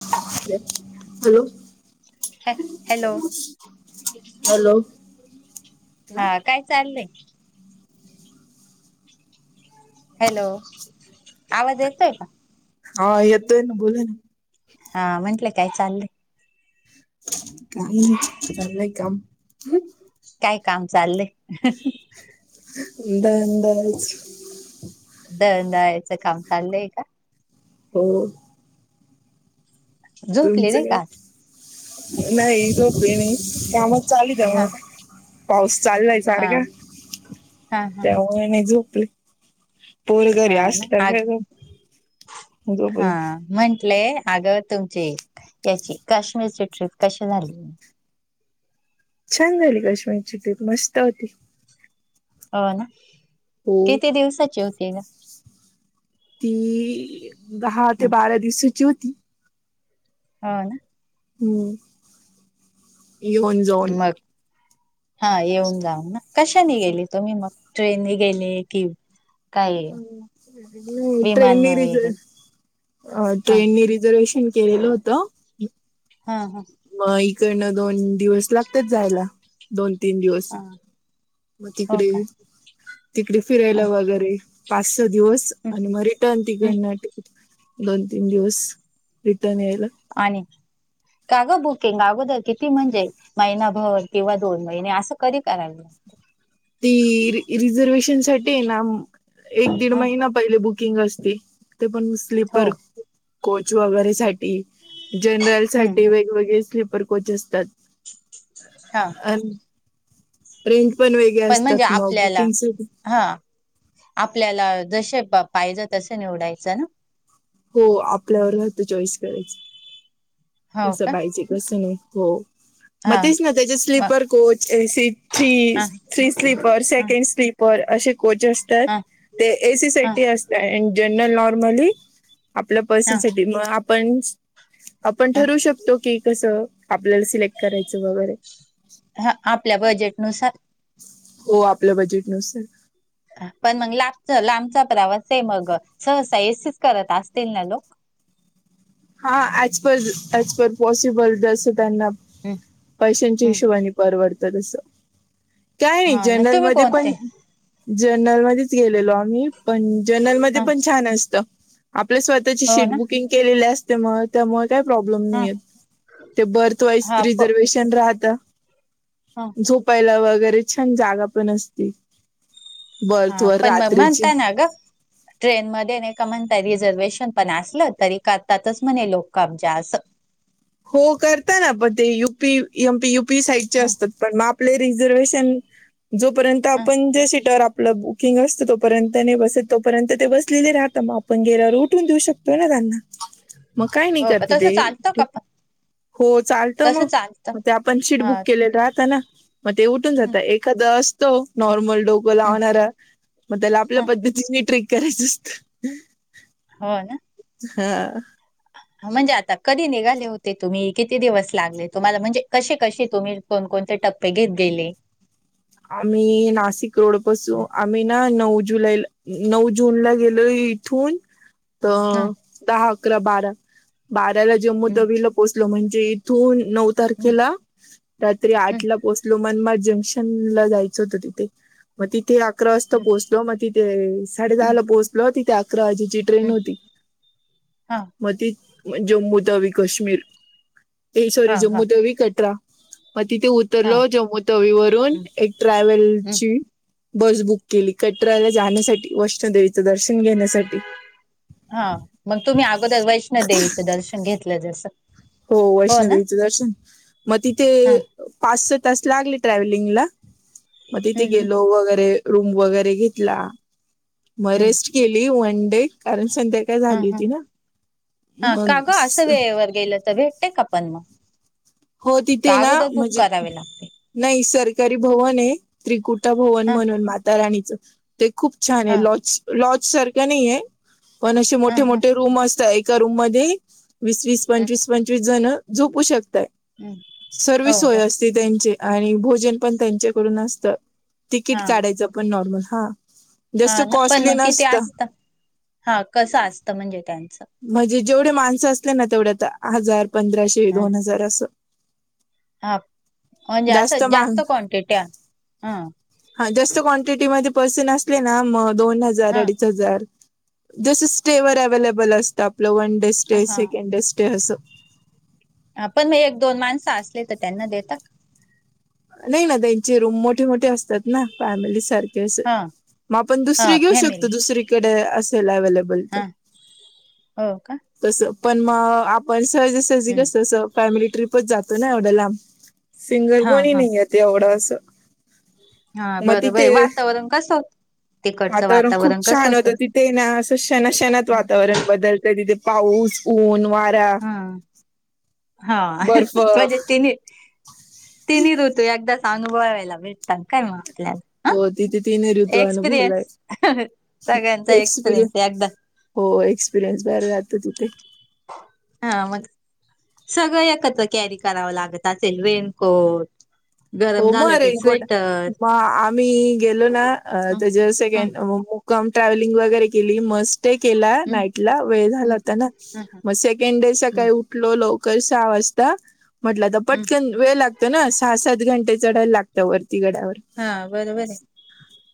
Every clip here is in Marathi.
[unintelligible] ह हॅलो हॅलो! हॅलो! हा काय चाललंय? हॅलो! आवाज येतोय का? हा येतोय, ना बोला ना. हा, म्हंटलं काय चाललंय? काही नाही, चालयं काम. काय काम चाललयं? दळण दळायचं दळण दळायचं काम चाललंय का? हो. झोपले तुमचं नाही का आज नाही, नाही झोपले मी कामचं चाल हा त्याव पाऊस चाललाय हा सारखं हा हा तेव नाही झोपले. पण घरी हा ना असत आग कायोप. म्हंटलंय अगं तुमची याची काश्मीरची ट्रिप कशी झाली. छान झाली काश्मीरची टली मस्त होती. हो ना हो किती दिवसाची होती ग. ती दहा ते बारा दिवसाची होती. हा ना. हम्. [inaudible] मग [inaudible] हा येऊन जाऊन ना कशानी गेली तुम्ही मग ट्रेन नि गेली की ह ट्रे विमान मीरच वगैरे अ हा ट्रेननी रिझर्वेशन केलेलं होतं. हा हा. मग इकडनं दोन दिवस लागतच जायला दोन तीन दिवस हा मग हो तिकडे का तिकडे फिरायला वगैरे पाच स दिवस आणि मग रिटर्न हम्म. तिकडन. दोन तीन दिवस रिटर्न यायला. आणि कागं बुकिंग अगोदर किती म्हणजे महिनाभर किंवा दोन महिने असं कधी करायला ती रिझर्वेशन साठी ना. एक दीड ह महिना पहिले बुकिंग असते ते पण हो स्लीपर कोच वगैरे साठी जनरल हम्म साठी हम्म, वेगवेगळे स्लप र कोच असतात हा अ. रेंट पण वेगळे म्हणजे असतात आपल्याला बुकिंगसाठी हा आपल्याला जसे पाहिजं तस निवडायचं ना. हो आपल्यावरत चॉईस करायच हो कस का पाहिजे. तसं नाही हो. मग हा तेच ना त्याचे ह स्लीपर कोच थ ह three sleeper second sleeper असे कोच असतात ह ते ह एसीसटी असतड जनरल नॉर्मली आपल्या पर्सनसाठी मग आपण आपण ठरव शकतो की कसं. आपल्याला सिलेक्ट करायचं वगैरे हा आपल्या बजेटनुसार हो आपल्या बजेट नुसार पण मग लाबच लांबचा प्रवास आहे मग सहसा एीच करत असतील ना लोक हा as per as per possible जसं त्यांना हम्म, पैशांच्या हम्म. हिशोबाने परवडतंस काय नाही हा ना तुम्ही जनरलमध्येध्ये कोणते पण जर्नल मध्येच गेलेलो आम्ही पण जर्नल मध्ये ह पण छान असत. आपल्या स्वतःची हो सीट ना बुकिंग केलेली असते मग त्या मग काही प्रॉब्लेम ह नाही ते बर्थ वाइज हा रिझर्वेशन राहता. ह झोपायला वगैरे छान जागा पण असती. बर्थ वर रात्रीची ट्रेनमध्येध्ये नाही का म्हणता रिझर्वेशन पण असलं तरी करतातच म्हणे लोकमज अस. हो करताना पण ते युपी युपी साईडचे हं, असतात पण मग आप रिझर्वेशन जोपर्यंत हं, आपण ज सीटवर आप किंग असतं तोपर्यंत नाही बस तोपर्यंत ते बसलेले राहत मग आपण गेरू उठून देऊ शकतो ना त्यांना मग काय नाही हो का करते तसं चालतं का ते पण हो चालत तसं चालतं मगग ते आपण सीट हा बुक केलं. रा मग ते उून हं, जात एखादा असतो नॉर्मल. डोक हं, लावणार मग त्याला आपल्या हं, पद्धती ट्रीट करायच असत. हो ना हा म्हणजे आता कधी निघाले होते तुम्ही किती दिवस लागले, तुम्हाला म्हणजे कसे कसे तुम्ही? कोणकोणते टप्पे घेत गेले? आम्ही नाशिक रोड हं, पासू आम्ही ना नऊ जुलैला नऊ जूनला गेलो इथून ह हं, तर दहा अकरा बारा बाराला जम्मू हं, तवीला पोचलो म्हणजे. त नऊ हं, तारखेला रात्री हं, आठला पोहचलो मनमा जंक्शन यचं होत तिथे मग तिथे अकरा वाजता हं, पो मग तिथे साडे हं, दहाला पोहोचलो तिथे अकराजेची ट्रेन हं. होती हा मग ती जम्मू तवी काश्मीर हा सॉरी हा जम्मू तवी कटरा म तिथे हा लो जम्मू तवी वरून हं, एक ट्रॅव्हल हं, ची बस बुक केली कटराला जाण्यासाठी वैष्णोदेवीच दर्शन घेण्यासाठी. हा मग तुम्ही अगोदर वैष्णो देेवीचं दर्शन घेतलं जसं. हो वैष्णो देेवीचं दर्शन मग तिथे हा पाच सहा तास लागले ट्रॅव्हलिंगला मग तिथे हम्म गेलो वगैरे रूम वगैरे घेतला मग हम्म रेस्ट केली वन डे कारण संध्याका हम ह हा का ग, असं वेळेवर गेलं तर भेटते का पण मग? हो तिथे का ना अगोदर बुक म्हणजे करावे लागते नाही सरकारी भवन आहे त्रिकुटा भवन हा म्हणून मातााराणीचं. ते खूप छान आहे हा लॉज, लॉज सारखं नाही आहे पण असे हा मोठे हा मोठे रूम असतात एक रूम मध्ये वीस वीस, पंचवीस पंचवीस जण झोपू शकतात. हम्म हो सर्विस सोय हो असते त्यांचे आणि भोजन पण त्यांच्याकडून असतं तिकीट हा काढायचं. पण नॉर्मल हा हा जास्त ना पण कॉस्टली मग किती नसत. असत हा कसं असतं म्हणजे त्यांचं म्हणजे जेवढे माणसं असले ना तेवढ्या आ हजार पंधराशे हा दोन हजार असं. हा म्ह जा अस जास्त क्वांटिटी ह हा जास्त क्वांटिटीमध्ये पर्सेन असले ना म दोन हजार हा अडीच हजार जस स्टेवरर अवलेबल असतं आपलं वन डे स्टे हा सेकंड डे स्टे असं पण मग एक दोन माणसं असले तर त्यांना देतात? नाही ना त्यांचे रूम मोठे मोठे असतात ना फॅमिली सारखे असे हा मग आपण हा दुसरी घेऊ शकतो फॅमिली दुसरीकडे असेल अवलेबल हा हो का? तस पण मग आपण सहजी सहजी, हम्म कस फॅमिली ट्रीपच जातो ना एवढ्या लांब. सिंगल हा कोणी हा नाही य ते एवढं अस हा बरं बर आहे वातावरण कस होत? वातावरण खूप छान होतं तिथे ना, अस शणाशणत हा वातावरण बदलत. तिथे पाऊस, ऊन, वार हा हा बर्फ म्हणजे तीनही. तिन्ही ऋतो एकदाच अनुभवायला भेटतात काय मग आपल्याला ह हो तिथे तिन्ही ऋतू अनुभवलाय एक्सपिरियन्स सगळ्यांचा एक्सपिरियन्स एकदा हो एक्सपिरियनस बाहेर जातो तिथे. हा मग सगळं एकत्र कॅरी करावं लागत असेल? रेनकोट, गरम हो मग झालं तर रेनकोट स्वेटर मग आम्ही गेलो ना हम्म त्या ज सेक हम्म कम ट्रॅव्हलिंग वगैरे केली मस्त स्टे केला नाईट ला वेळ झाला हम्म होता ना हम्म मग सेकंड डे हम्म सकाळी उठलो लवकर सहा वाजतां म्हटलं हम्म पटंकन वेळं लागतो नां सहा सात घंट ते चढांयला लागतं वरंती गाड्यांवर हां बरोबर आहे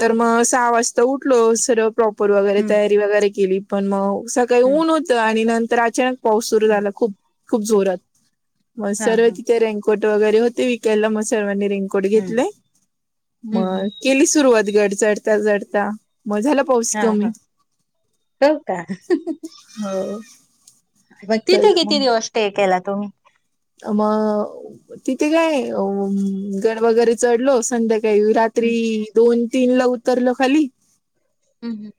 तरं मंग सहा वाजतां उठलो सर्व प्रॉपर वगैरें हम्म तयारी वगैरें केली पणं मंग सकाळीं हम्म ऊंन होतं आणि नंतर अचांनक पाऊस सुंरू हम्म झालां खूंप खूंप जोरांत मंग हा सर्व हा तिथे रेंकोट वगैरें होते विकायलां मंग सर्वांनी रेंकोट रेनकोट हम्म घेतले हम्म हम्म मंग केली सुरवांत गंड चढतां चढतां मंग झालं पाऊस हा हा कमी हो का हो मंग तिथे किती दिवसं सेंट केलां तुम्हीं मंग तिथे कायं गंड वगैरें चढलो संध्याकांळी रांत त्री हम्म दोन तीनं लां उतरलो खांली हम्मं हम्मं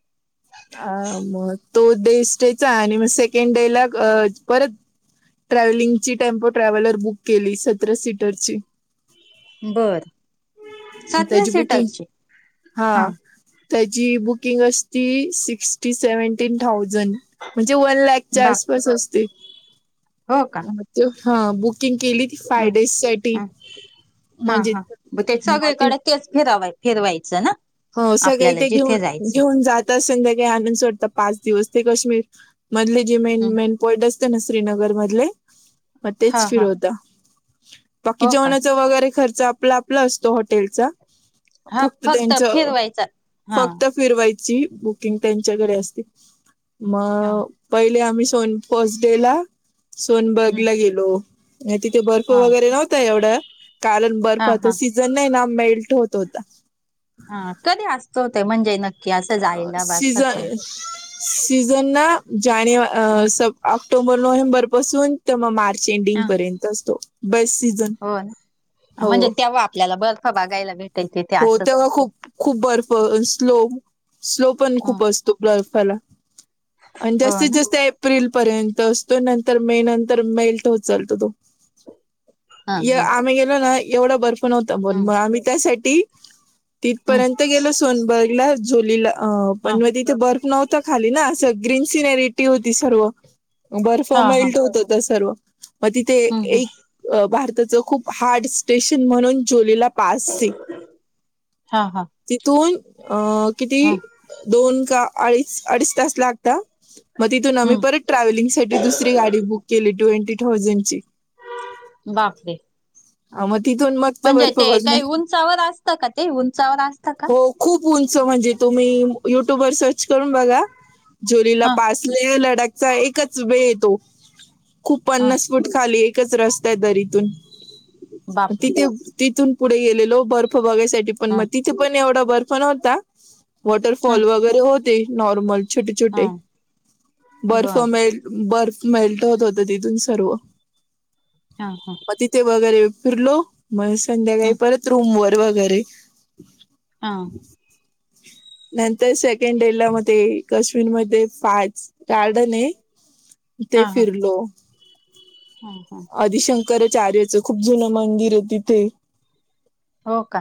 अ मंग तो डे स्टेचां आणि मंग सेकंडे लां परंत ट्रॅव्हलिंग ची टेम्पो ट्रॅव्हलर बुंक केली सतरां सीटरची बरं ऊत्यांची बुकिंग हा हां त्यांची बुकिंग असती सिक्स्टी सेव्हन्टीन थाउजंड म्हणजे वंन लॅक च्यां बाप आसपांस असतें हो कां हां बुकिंग केली फांय हम्म डेजं सांठी ह म्हणजे मं कडकेचं फिरवां फिरवायचं नां हो सगळें ते घेऊन घेऊन जातं तरं संध्याकाळी आंणून सोडंता पांच दिवसं ते काश्मीर मधले जे मेन हम्म मेन स्पोर्ट असते नां श्रीनगंर मधले मंग तेचं हा हा फिरवतां बांकी हो का जेवणांचा वगैरें खर्च आपलां आपलां असतों हॉटेलचां हां फक्तं फक्तं फिरवांयची कुकिंग त्यांच्याकडे हम्म असतें हा मंग पहिले आम्हीं सोनं फर्स्ट डे लां हम्म सोनबांगलां गेलो नाहीं तिथे बर्फी हा वगैरें नव्हतां एवढं कारणं हा बर्फाचा हा सिजंन जणं हांयण मेल्ट होतं होतां हां कधीं असतों ते म्हणंजे नं अ सिझनं सिझनं नां हम्म जांनेवा ऑक्टोंबर नोव्हेंबर बसूंन तो मंग मार्च हा ऐडिग प्रेरेतं असतों हो म्हणजे तेंव्हा आपल्यांला बर्फ बगांयलां भेट हो तेंव्हा खूंप खूंप बर्फ स्लो स्लो पणं ह खूंप असतों ग्फलां आणि हो जास्तीतं ना जास्तं एप्रिल पर्यंत असतों नंतर मे नंतर मेल्ट होतं जांतो तो हा हा आम्हीं गेलो नां एवढां बर्फ नव्हतां बोल हम्म मंग आम्हीं त्यांसाठी हम्म तिथंपर्यंत तिथं गेलो सोनबर्गलां झोलीलां हा पणं मंग तिथे बर्फ नव्हतं खांली नां असं ग्रीन सिनेरी ऊंनटी होती सर्व बर्फ हा हा मेल्ट होतं होतां सर्व मंग तिथे हम्म हम्म एक अ भारताचं खूंप हार्ड स्टेशंन म्हणूंन जुलेला हां हां तिथूंन अ किती दोन कां अडीचं अडीचं तांस लागतांत मंग तिथूंन आम्हीं हम्म परंत ट्रॅव्हलिंग सांठी दुसंरी गांडी बुंक केली ट्वेंटी थांउजंड ची बांपरे हं मंग तिथूंन मंगत बर्फ बघण्यांत उचावर असतं का ते उंचावर असतात. खुप उंच म्हणजे तुम्ही युट्यूब व सर्च करून बघा हा जरीलपास लेह लडाखचा एकच वे आहे तो. खूप हा पन्नास फूट खाली एकच रस्त त्याच दरीतून बापरे! तिथे तिथून पुढे गेलेलो बर्फ बगाय साठी पण हा मग तिथे पण एवढा बर्फ नव्हता हा वॉटरफॉल वगैरे होते नॉर्मल ते छोटे हा छोटे बर्फ बर मे बर्फ मेल्ट होत होते तिथून सर्व हा हा. मग तिथे वगैरे फिरलो. मग संध्याकाळी हं परत रूम वर वगैरे हा. नंतर सेकंड डे ला म ते कश्मीर मध्ये फार्डस गार्डन आहे तिथे फिरलो. हो हो. आदिशंकराचार्याचं खूप जुनं मंदिर आहे तिथे. हो का,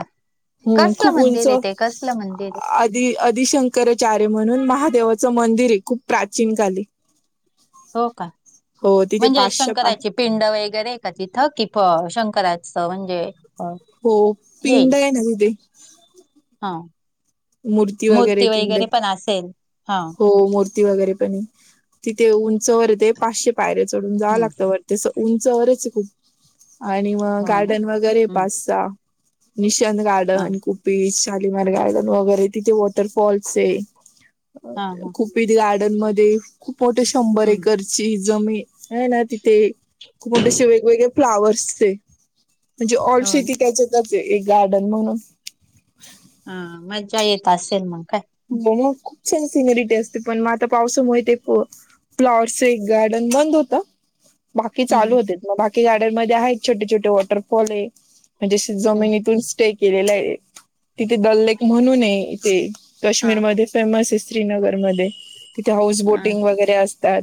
हम्म कसलं मंदिर आहे ते कसलं मंदिर आहे? ते आदिशंकराचार्य म्हणून महादेवाचं मंदिर आहे खूप प्राचीनकाली. हो का तिथे म्हणजे पाचशे पाच शंकराची पिंड वगैरे का तिथ की प शंकराचं म्हणजे हो हे पिंड आहे ना तिथे हा मूर्ती वगैरे पण असेल. हा. हो मूर्ती वगैरे पण तिथे उंचावर ते पाचशे पायर्‍या चढून जावं हं लागत वर तस उंचवरच आहे खूप आणि मग हो ना गार्डन वगैरे हं पाच, सहा निशान हा गार्डन, कुपेश, शालीमार गार्डन वगैरे तिथे वॉटरफॉल्स आहे. हा हा खूपीथ गार्डन मध्ये खूप मोठे शंभर हं एकर ची जमीन आहे ना तिथे खूप असे वेगवेगळे फ्लावर्स हाय म्हणजे ऑल हो शेती ना त्याच्यातच आहे एक गार्डन म्हणून हा मज्जा येत असेल मग काय? हो मग खूप छान सिनेरीटी असते पण मग आता पावसामुळे ते पो फ्लॉवर्स एक गार्डन बंद होत. बाकी हं चालू हं होते. मग बाकी गार्डनमध्ये आहेत छोटे छोटे वॉटरफॉल आहे. म्हणजे असे हं जमिनीतून स्टे केलेल आहे. तिथे दल लेक म्हणून आहे ते हा हा काश्मीरमध्ये फेमस आहे, श्रीनगरमध्ये तिथे हाऊस हा बोटिंग ना. वगैरे असतात.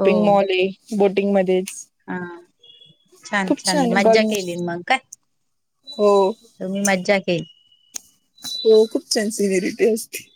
हो मॉल आहे बोटिंगमध्येच. हा छान छान आहे बघ मज्जा केली मग का? हो. तुम्ही मज्जा केली. हो खूप छान सिनेरीटी असते.